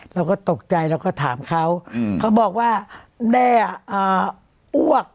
เราก็ตกใจเราก็ถามเขาเขาบอกว่าแด้อ้วก